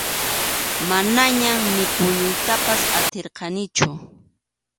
Manañam ni puñuytapas atirqanichu.